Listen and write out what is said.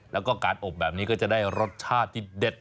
แล้วก็การอบแบบนี้ก็จะได้รสชาติที่เด็ด